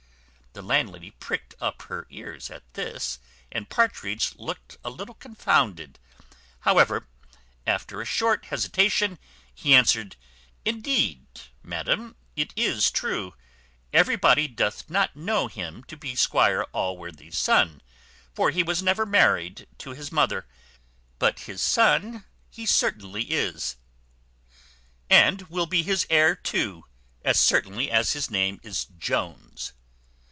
The landlady pricked up her ears at this, and Partridge looked a little confounded. However, after a short hesitation, he answered, "Indeed, madam, it is true, everybody doth not know him to be Squire Allworthy's son; for he was never married to his mother; but his son he certainly is, and will be his heir too, as certainly as his name is Jones."